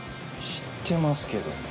知ってますけど。